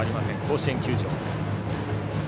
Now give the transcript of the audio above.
甲子園球場。